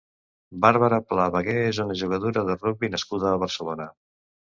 Bàrbara Pla Vegué és una jugadora de rugbi nascuda a Barcelona.